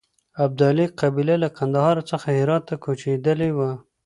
ابدالي قبیله له کندهار څخه هرات ته کوچېدلې وه.